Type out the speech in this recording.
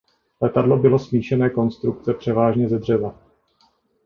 Letadlo bylo smíšené konstrukce převážně ze dřeva.